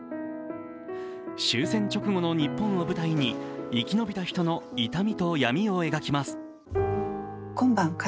終戦直後の日本を舞台に生き延びた人の痛みと闇を描きます。